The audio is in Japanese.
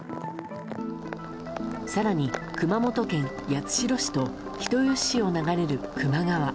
更に熊本県八代市と人吉市を流れる球磨川。